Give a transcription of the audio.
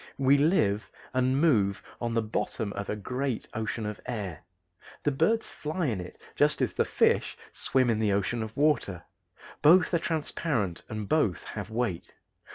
We live and move on the bottom of a great ocean of air. The birds fly in it just as the fish swim in the ocean of water. Both are transparent and both have weight.